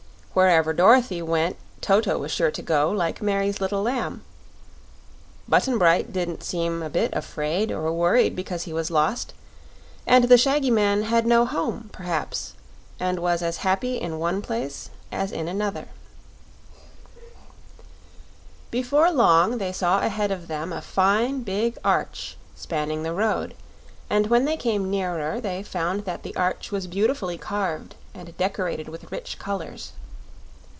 Wherever Dorothy went Toto was sure to go, like Mary's little lamb. Button Bright didn't seem a bit afraid or worried because he was lost, and the shaggy man had no home, perhaps, and was as happy in one place as in another. Before long they saw ahead of them a fine big arch spanning the road, and when they came nearer they found that the arch was beautifully carved and decorated with rich colors.